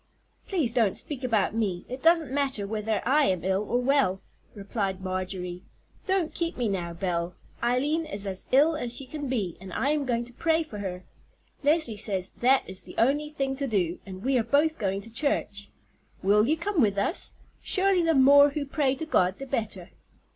"Please don't speak about me; it doesn't matter whether I am ill or well," replied Marjorie. "Don't keep me now, Belle. Eileen is as ill as she can be, and I am going to pray for her. Leslie says that is the only thing to do, and we are both going to church. Will you come with us? Surely the more who pray to God the better."